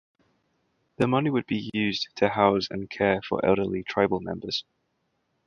The money would be used to house and care for elderly tribal members.